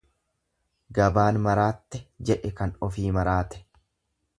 Gabaan maraatte, jedhe kan ofii maraate.